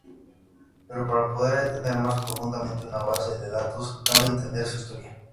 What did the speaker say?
Pero para poder entender más profundamente una base de datos cabe entender su historia.